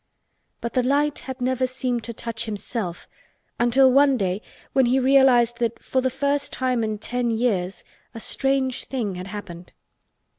But the light had never seemed to touch himself until one day when he realized that for the first time in ten years a strange thing had happened.